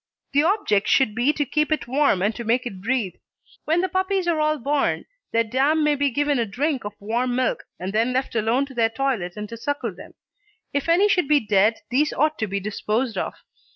The object should be to keep it warm and to make it breathe. When the puppies are all born, their dam may be given a drink of warm milk and then left alone to their toilet and to suckle them. If any should be dead, these ought to be disposed of.